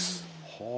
はあ。